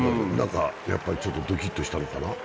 やっぱりちょっとドキっとしたのかな。